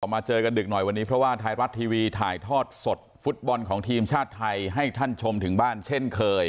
มาเจอกันดึกหน่อยวันนี้เพราะว่าไทยรัฐทีวีถ่ายทอดสดฟุตบอลของทีมชาติไทยให้ท่านชมถึงบ้านเช่นเคย